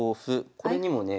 これにもねえ